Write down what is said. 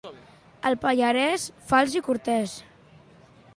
El pallarès, fals i cortès.